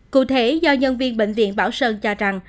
cụ thể do nhân viên bệnh viện bảo sơn cho rằng